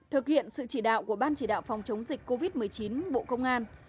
thực hiện sự chỉ đạo của ban chỉ đạo phòng chống dịch covid một mươi chín bộ công an